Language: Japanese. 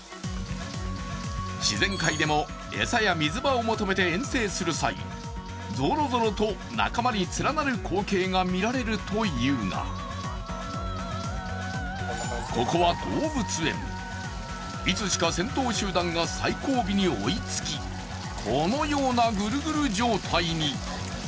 自然界でも餌や水場を求めて遠征する際、ぞろぞろと仲間に連なる光景が見られるというがここは動物園、いつしか先頭集団が最後尾に追いつき、このようなぐるぐる状態に。